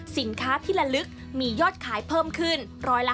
สินค้าที่ละลึกมียอดขายเพิ่มขึ้น๑๕